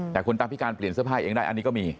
แต่คนตาพิการเปลี่ยนเสื้อผ้าเองได้อันนี้ก็มี